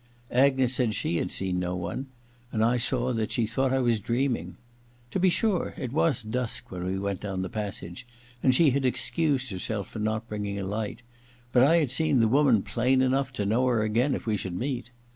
Agnes said she had seen no one, and I saw that she thought I was dreaming. To be sure, it was dusk when we went dowa the passage, and she had excused herself for not bringing a light ; but I had seen the woman plain enough to know her again if we should meet.